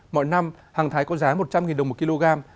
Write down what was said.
mọi năm hàng thái có giá một trăm linh đồng một kg